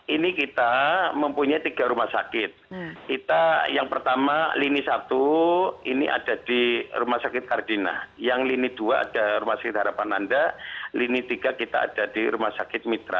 ini kita mempunyai tiga rumah sakit kita yang pertama lini satu ini ada di rumah sakit kardina yang lini dua ada rumah sakit harapan anda lini tiga kita ada di rumah sakit mitra